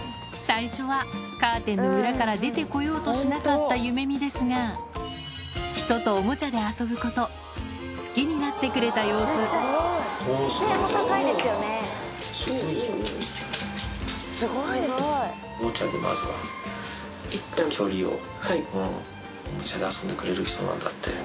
最初はカーテンの裏から出てこようとしなかったゆめみですが、人とおもちゃで遊ぶこと、おー、すごい出てきてる。